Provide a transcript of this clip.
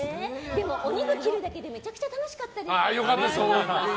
でもお肉切るだけでめちゃくちゃ楽しかったです。